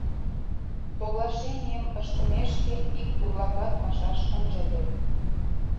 Соглашенийым ыштымешке, ик бурлакат пашаш ынже лек.